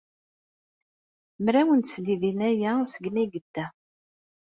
Mraw n tesdidin aya segmi ay yedda.